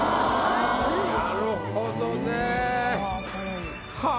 なるほどね。はあ。